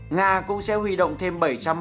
nga cũng sẽ huy động thêm